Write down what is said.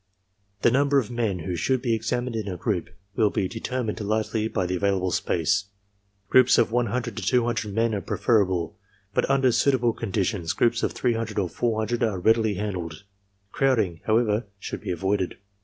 The number of men who should be examined in a group will be determined largely by the available space. Groups of 100 to 200 men are preferable, but under suitable conditions groups of 300 or 400 are readily handled. Crowding, however, should be avoided.